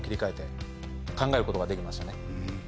考えることができましたね。